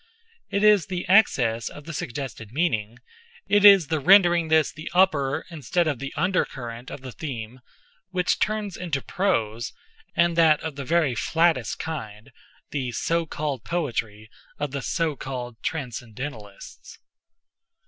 It is the excess of the suggested meaning—it is the rendering this the upper instead of the under current of the theme—which turns into prose (and that of the very flattest kind) the so called poetry of the so called transcendentalists.